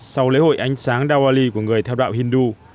sau lễ hội ánh sáng dowali của người theo đạo hindu